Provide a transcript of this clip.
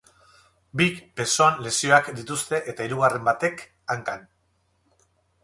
Bik besoan lesioak dituzte eta hirugarren batek hankan.